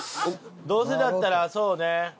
どうせだったらそうね